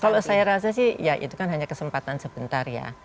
kalau saya rasa sih ya itu kan hanya kesempatan sebentar ya